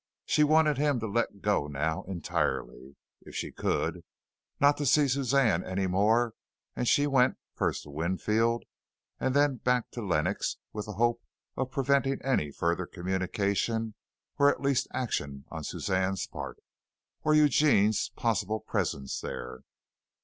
She wanted him to let go now, entirely, if she could, not to see Suzanne any more and she went, first to Winfield, and then back to Lenox with the hope of preventing any further communication, or at least action on Suzanne's part, or Eugene's possible presence there.